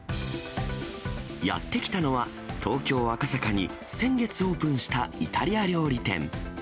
やって来たのは、東京・赤坂に先月オープンしたイタリア料理店。